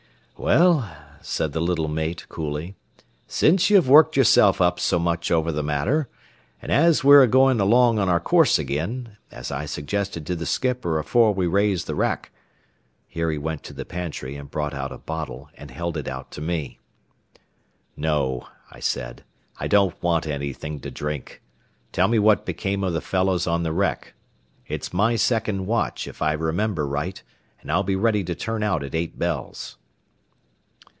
"Well," said the little mate, coolly, "since you've worked yourself up so much over the matter, and as we're a goin' along on our course agin, as I suggested to the skipper afore we raised the wrack" here he went to the pantry and brought out a bottle, and held it out to me. "No," I said; "I don't want anything to drink. Tell me what became of the fellows on the wreck. It's my second watch, if I remember right, and I'll be ready to turn out at eight bells."